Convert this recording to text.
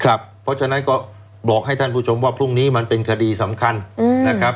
เพราะฉะนั้นก็บอกให้ท่านผู้ชมว่าพรุ่งนี้มันเป็นคดีสำคัญนะครับ